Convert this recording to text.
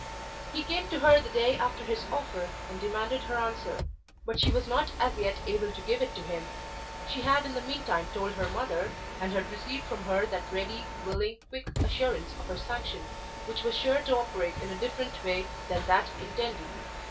He came to her the day after his offer and demanded her answer. But she was not as yet able to give it to him. She had in the meantime told her mother, and had received from her that ready, willing, quick assurance of her sanction which was sure to operate in a different way than that intended.